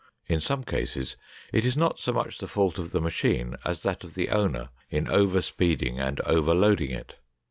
In some cases, it is not so much the fault of the machine as that of the owner in over speeding and over loading it.